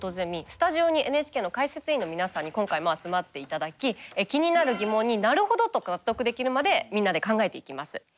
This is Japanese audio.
スタジオにＮＨＫの解説委員の皆さんに今回も集まっていただき気になる疑問になるほどと納得できるまでみんなで考えていきます。